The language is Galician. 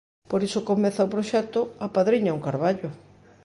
Por iso comeza o proxecto "Apadriña un carballo".